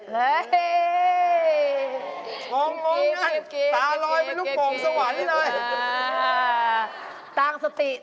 งองนั่งตาลอยเป็นลูกโปงสวรรค์นิดหน่อย